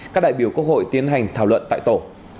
các đại biểu quốc hội tiến hành thảo luận tại tổ